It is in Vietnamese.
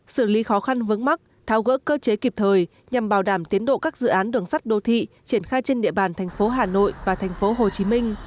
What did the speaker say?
xử lý khó khăn vấn mắc thao gỡ cơ chế kịp thời nhằm bảo đảm tiến độ các dự án đường sắt đô thị triển khai trên địa bàn tp hcm